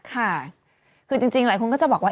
ค่ะคือจริงหลายคนก็จะบอกว่า